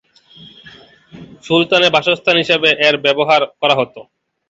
সুলতানের বাসস্থান হিসেবে এর ব্যবহার করা হতো।